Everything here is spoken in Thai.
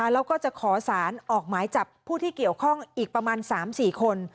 แล้วก็จะขอสารออกหมายจับผู้ที่เกี่ยวข้องอีกประมาณ๓๔คน